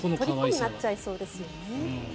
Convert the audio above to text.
とりこになっちゃいそうですよね。